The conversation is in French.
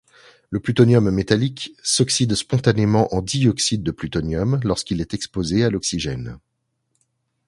Le plutonium métallique s'oxyde spontanément en dioxyde de plutonium lorsqu'il est exposé à l'oxygène.